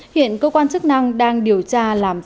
hiện cơ quan chức năng đang điều tra